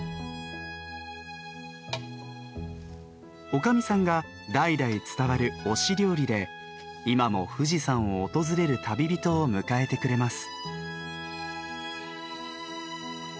女将さんが代々伝わる御師料理で今も富士山を訪れる旅人を迎えてくれます。